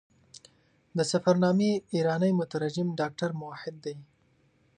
د سفرنامې ایرانی مترجم ډاکټر موحد دی.